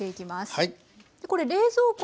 はい。